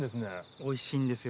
おいしいんですよ。